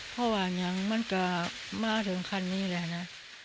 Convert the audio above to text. เพราะว่าเนี่ยมันก็มาถึงคันนี้แหละนะ